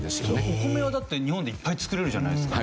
お米はだって日本でいっぱい作れるじゃないですか。